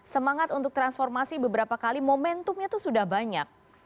semangat untuk transformasi beberapa kali momentumnya itu sudah banyak